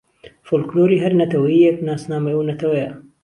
فۆلکلۆری هەر نەتەوەیێک ناسنامەی ئەو نەتەوەیە